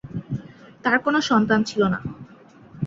তার কোনো সন্তান ছিল না।